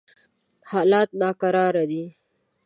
حالات ناکراره دي.